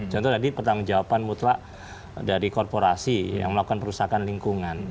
contoh tadi pertanggung jawaban mutlak dari korporasi yang melakukan perusahaan lingkungan